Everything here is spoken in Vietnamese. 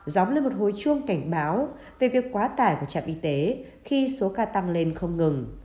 dóng lên một hồi chuông cảnh báo về việc quá tải của trạm y tế khi số ca tăng lên không ngừng